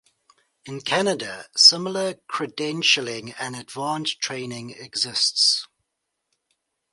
In Canada, similar credentialing and advanced training exists.